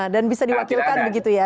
dan bisa diwakilkan begitu ya